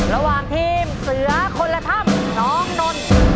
ระหว่างทีมเสือคนละถ้ำน้องนนท์